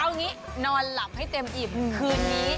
เอางี้นอนหลับให้เต็มอิ่มคืนนี้